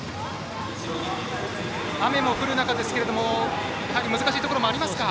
雨も降る中ですが難しいところがありますか。